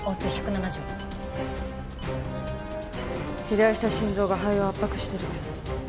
肥大した心臓が肺を圧迫してる。